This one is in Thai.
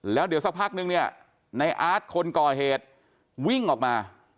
แล้วเดี๋ยวสักพักนึงเนี่ยในอาร์ตคนก่อเหตุวิ่งออกมา